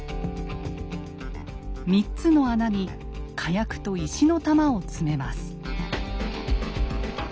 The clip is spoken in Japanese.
３つの穴に火薬と石の弾を詰めます。